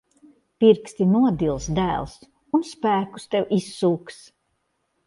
Pirksti nodils, dēls. Un spēkus tev izsūks.